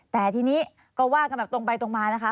แต่ทีนี้ก็ว่ากันแบบตรงไปตรงมานะคะ